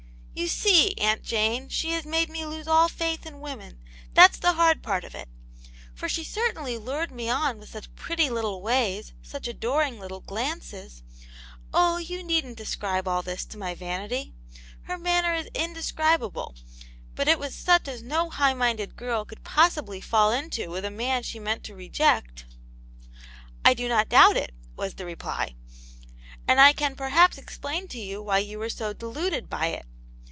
"^ You see, Aunt Jane, she has made me lose all faith in women ; that's the hard part of it. For she certainly lured me on with such pretty little ways, such adoring little glances ! Oh, you needn't ascribe all this to my vanity ; her manner is indescribable, but it was such as no high niinded girl could possibly fall into with a man she meant to reject." " I do not doubt it," was the reply. " And I can perhaps explain to you why you were so deluded by it.